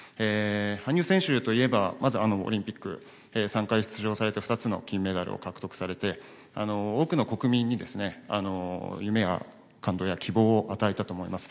羽生選手といえばまずオリンピック３回出場されて２つの金メダルを獲得されて多くの国民に夢や感動や希望を与えたと思います。